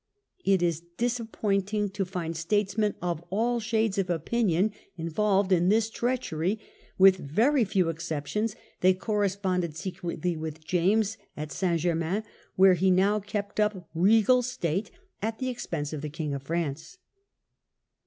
It is disappointing to find statesmen of all shades of opinion involved in this treachery; with very few exceptions they corresponded secretly with James at St. Germains, where he now kept up regal state at the expense of the King of France.